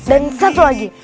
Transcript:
dan satu lagi